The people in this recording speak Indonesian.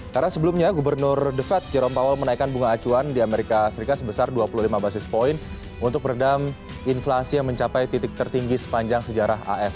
karena sebelumnya gubernur the fed jerome powell menaikan bunga acuan di amerika serikat sebesar dua puluh lima basis point untuk peredam inflasi yang mencapai titik tertinggi sepanjang sejarah as